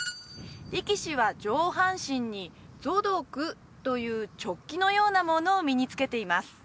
力士は上半身にゾドクというチョッキのようなものを身につけています